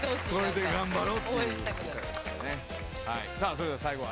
それでは最後は稲田君。